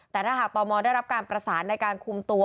แต่ถ้าหากตมได้รับการประสานในการคุมตัว